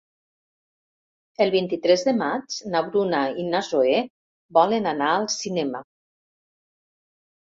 El vint-i-tres de maig na Bruna i na Zoè volen anar al cinema.